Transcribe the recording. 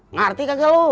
ngerti kagak lu